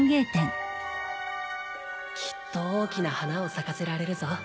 きっと大きな花を咲かせられるぞ